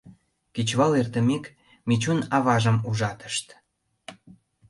Кечывал эртымек, Мичун аважым ужатышт.